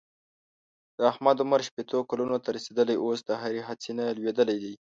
د احمد عمر شپېتو کلونو ته رسېدلی اوس د هرې هڅې نه لوېدلی دی.